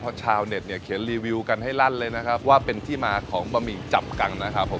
เพราะชาวเน็ตเนี่ยเขียนรีวิวกันให้ลั่นเลยนะครับว่าเป็นที่มาของบะหมี่จับกังนะครับผม